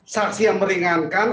saksi yang meringankan